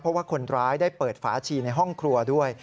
เพราะว่าคนร้ายได้เปิดฝาชีในห้องครัวด้วย